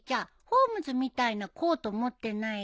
ホームズみたいなコート持ってない？